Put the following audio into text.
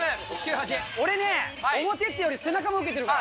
俺ね、表っていうより、背中も受けているから。